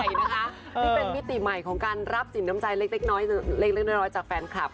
นี่เป็นมิติใหม่ของการรับสินน้ำใจเล็กน้อยจากแฟนคลับ